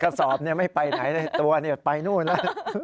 กระสอบไม่ไปไหนเลยตัวไปนู่นแล้ว